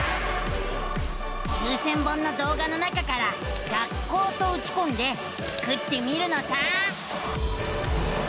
９，０００本の動画の中から「学校」とうちこんでスクってみるのさ！